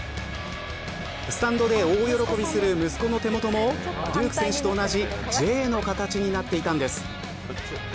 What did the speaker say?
スタンドで大喜びする息子の手元もデューク選手と同じＪの形になっていたんです。